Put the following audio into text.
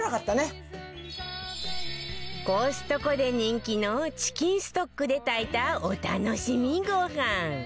コストコで人気のチキンストックで炊いたお楽しみごはん